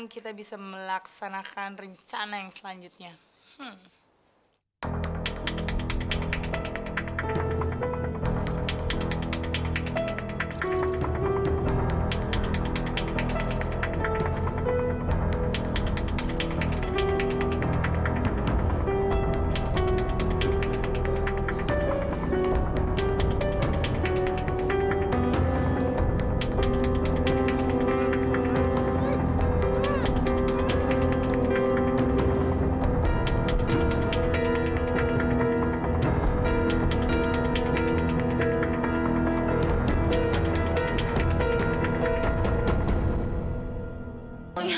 lu berdua mau ngapain nih